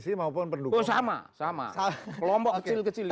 sama kelompok kecil kecil itu